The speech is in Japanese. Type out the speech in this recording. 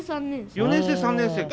４年生３年生か。